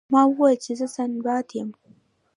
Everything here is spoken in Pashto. ما وویل چې زه سنباد یم.